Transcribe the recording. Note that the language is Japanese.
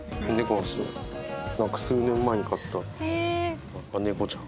数年前に買った猫ちゃん。